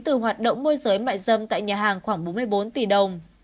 từ hoạt động môi giới mại dâm tại nhà hàng khoảng bốn mươi bốn tỷ đồng